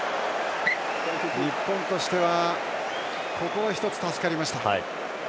日本としてはここは１つ助かりました。